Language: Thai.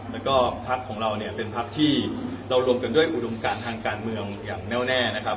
แล้วก็พักของเราเนี่ยเป็นพักที่เรารวมกันด้วยอุดมการทางการเมืองอย่างแน่วแน่นะครับ